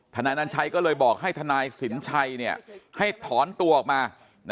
นายนัญชัยก็เลยบอกให้ทนายสินชัยให้ถอนตัวออกมา